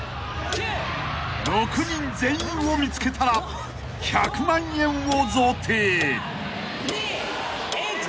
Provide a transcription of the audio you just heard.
［６人全員を見つけたら１００万円を贈呈］